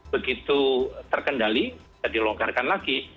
begitu terkendali dilonggarkan lagi